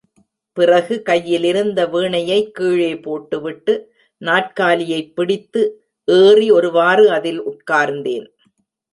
பிறகு கையிலிருந்த வீணையைக் கீழே போட்டுவிட்டு, நாற்காலியைப் பிடித்து ஏறி ஒருவாறு அதில் உட்கார்ந்தேன்.